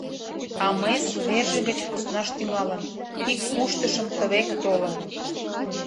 А мыйс верже гыч куснаш тӱҥалын: ик уштышым тывек толын.